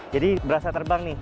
jadi berasa terbang nih